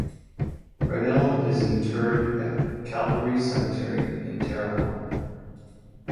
Riedel is interred at Calvary Cemetery in Terre Haute.